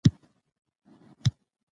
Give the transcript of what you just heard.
بادام د افغانستان د سیلګرۍ برخه ده.